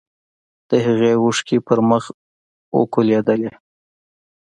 د هغې اوښکې په مخ وکولېدلې.